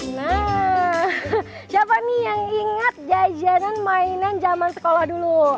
nah siapa nih yang ingat jajanan mainan zaman sekolah dulu